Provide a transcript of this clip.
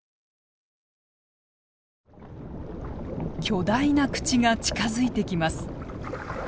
巨大な口が近づいてきます。